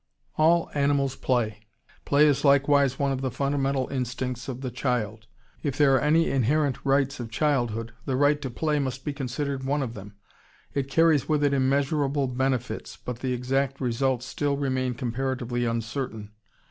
All animals play. Play is likewise one of the fundamental instincts of the child. If there are any inherent rights of childhood, the right to play must be considered one of them. It carries with it immeasurable benefits, but the exact results still remain comparatively uncertain.